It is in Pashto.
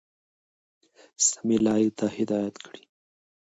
سمي لاري ته هدايت كړي،